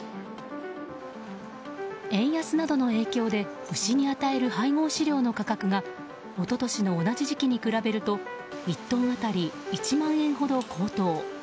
円安などの影響で牛に与える配合飼料の価格が一昨年の同じ時期に比べると１トン当たり１万円ほど高騰。